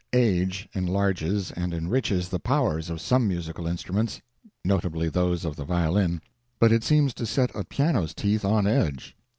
Age enlarges and enriches the powers of some musical instruments notably those of the violin but it seems to set a piano's teeth on edge.